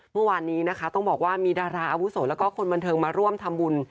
เมื่อวานนี้นะคะต้องบอกว่ามีดาราอาวุโสแล้วก็คนบันเทิงมาร่วมทำบุญ